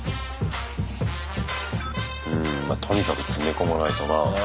うんとにかく詰め込まないとな。